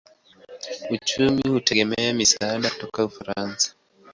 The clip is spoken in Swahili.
Uchumi hutegemea misaada kutoka Ufaransa.